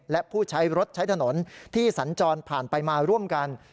และผู้ใช้รถใช้ถนนที่สัญจรผ่านไปมาร่วมกัน